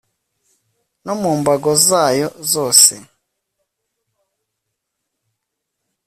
no mu mbago zayo zose